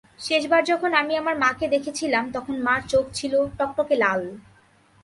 শেষবার যখন আমি আমার মাকে দেখেছিলাম তখন মার চোখ ছিল টকটকে লাল।